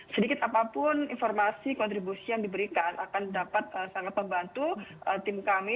sedikit apapun informasi kontribusi yang diberikan akan dapat sangat membantu tim kami